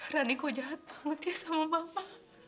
rani kok jahat banget ya sama mama